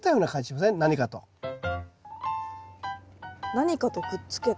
何かとくっつけた？